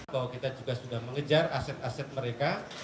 bahwa kita juga sudah mengejar aset aset mereka